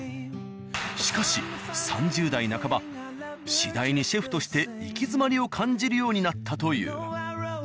しかし３０代半ば次第にシェフとして行き詰まりを感じるようになったという。